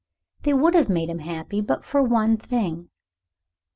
They would have made him happy, but for one thing.